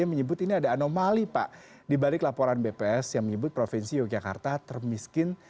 menyebut ini ada anomali pak dibalik laporan bps yang menyebut provinsi yogyakarta termiskin